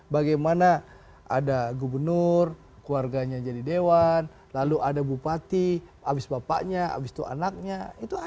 bagaimana ada gubernur keluarganya jadi dewan lalu ada bupati abis bapaknya abis itu anaknya itu ada